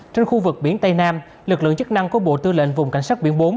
trên khu vực biển tây nam lực lượng chức năng của bộ tư lệnh vùng cảnh sát biển bốn